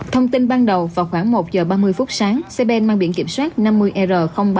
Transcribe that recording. thông tin ban đầu vào khoảng một giờ ba mươi phút sáng xe ben mang biển kiểm soát năm mươi r ba mươi năm mươi chín